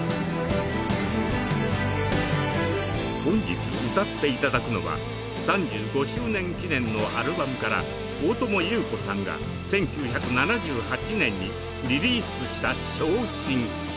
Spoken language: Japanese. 本日歌っていただくのは３５周年記念のアルバムから大友裕子さんが１９７８年にリリースした『傷心』。